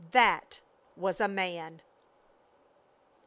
That was a man!"